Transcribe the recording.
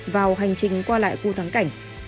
vào hành trình qua lại khu tháng cảnh